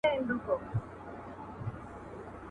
• پردى اور تر واورو سوړ دئ.